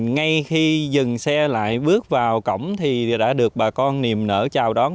ngay khi dừng xe lại bước vào cổng thì đã được bà con niềm nở chào đón